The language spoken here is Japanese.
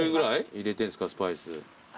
入れてんすかスパイス。